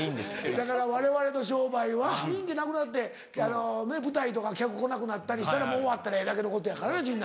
だからわれわれの商売は人気なくなって舞台とか客来なくなったりしたらもう終わったらええだけのことやからね陣内。